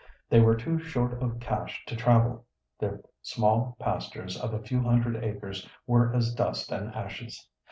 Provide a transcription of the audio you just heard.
They were too short of cash to travel. Their small pastures of a few hundred acres were as dust and ashes.